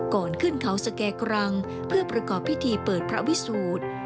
ก่อนขึ้นเขาสแก่กรังเพื่อประกอบพิธีเปิดพระวิสูจน์